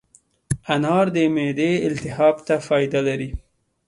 انار د معدې التهاب ته فایده لري.